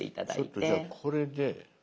ちょっとじゃあこれで。